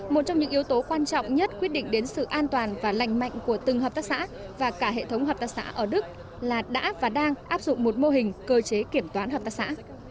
một trong những yếu tố quan trọng nhất quyết định đến sự an toàn và lành mạnh của từng hợp tác xã và cả hệ thống hợp tác xã ở đức là đã và đang áp dụng một mô hình cơ chế kiểm toán hợp tác xã